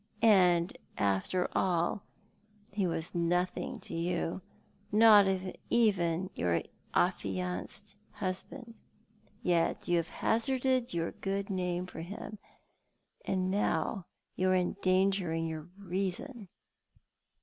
And, after all, he was nothing to you— not even your affianced husband — yet you have hazarded your good name for him, and now you are endangering your reason."